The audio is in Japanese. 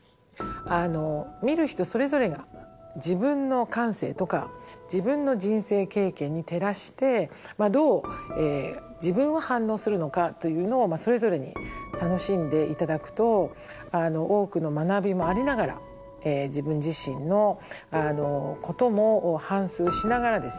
見る人それぞれが自分の感性とか自分の人生経験に照らしてどう自分は反応するのかというのをそれぞれに楽しんで頂くと多くの学びもありながら自分自身のことも反すうしながらですね